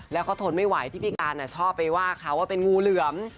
แล้วก็ทนไม่ไหวที่พี่การชอบไปว่าเขาว่าเป็นงูเหลือม